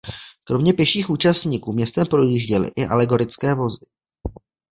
Kromě pěších účastníků městem projížděly i alegorické vozy.